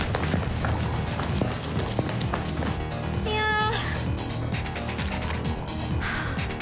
いや。